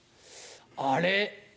あれ？